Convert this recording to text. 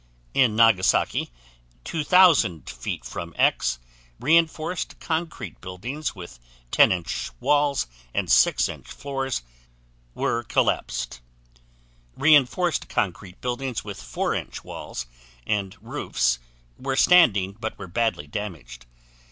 In Nagasaki, 2,000 feet from X, reinforced concrete buildings with 10" walls and 6" floors were collapsed; reinforced concrete buildings with 4" walls and roofs were standing but were badly damaged.